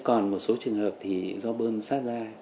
còn một số trường hợp thì do bơm sát ra